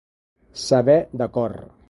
Saber de cor.